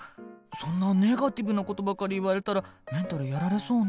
そんなネガティブなことばかり言われたらメンタルやられそうね。